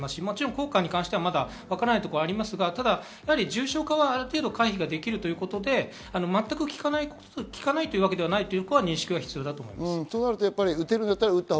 効果に関してわからないところもありますが、重症化はある程度回避できるということで、全く効かないというわけではないという認識は必要だと思います。